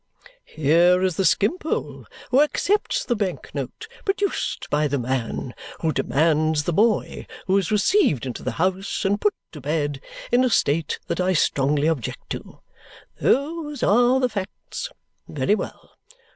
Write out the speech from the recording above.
Here is the Skimpole who accepts the bank note produced by the man who demands the boy who is received into the house and put to bed in a state that I strongly object to. Those are the facts. Very well.